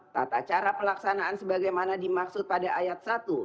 tata cara pelaksanaan sebagaimana dimaksud pada ayat satu